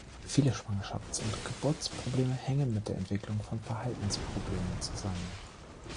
Viele Schwangerschafts- und Geburtsprobleme hängen mit der Entwicklung von Verhaltensproblemen zusammen.